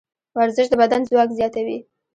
ورزش د بدن ځواک زیاتوي.